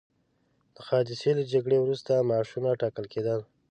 د قادسیې له جګړې وروسته معاشونه ټاکل کېدل.